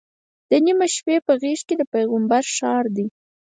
د نیمې شپې په غېږ کې د پیغمبر ښار دی.